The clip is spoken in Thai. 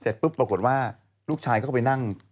เสร็จปุ๊บปรากฏว่าลูกชายเข้าไปนั่ง